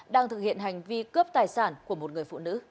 đang thực hiện hành vi cướp tài sản của một người